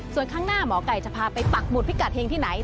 ส่วนข้างหน้าหมอไก่จะพาไปปักหุดพิกัดเฮงที่ไหน